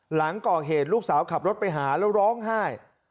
หลังก่อเหตุลูกสาวขับรถไปหาแล้วร้องไห้